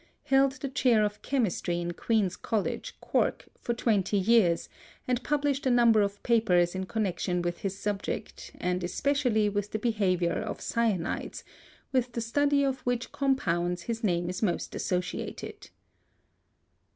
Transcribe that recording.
held the chair of chemistry in Queen's College, Cork, for twenty years and published a number of papers in connection with his subject and especially with the behavior of cyanides, with the study of which compounds his name is most associated.